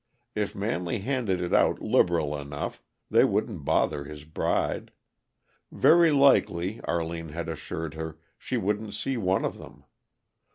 If Manley handed it out liberal enough, they wouldn't bother his bride. Very likely, Arline had assured her, she wouldn't see one of them.